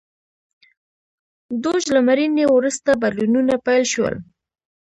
دوج له مړینې وروسته بدلونونه پیل شول.